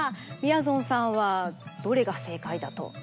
みやぞんさんはどれが正解だと？